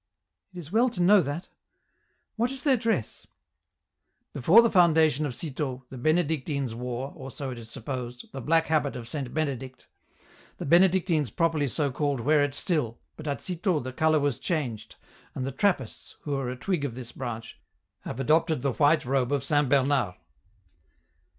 " It is well to know that. What is their dress ?"" Before the foundation of Citeaux, the Benedictines wore, or so it is supposed, the black habit of Saint Benedict ; the Benedictines properly so called wear it still, but at Citeaux the colour was changed, and the Trappists, who are a twig of this branch, have adopted the white robe of Saint Bernard."